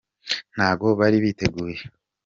ntago bari biteguye.